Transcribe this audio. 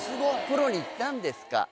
「プロに行ったんですか？」